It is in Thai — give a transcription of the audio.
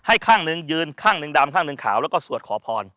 ข้างหนึ่งยืนข้างหนึ่งดำข้างหนึ่งขาวแล้วก็สวดขอพร